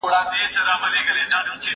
هغه وويل چي وخت تنظيم کول ضروري دي!؟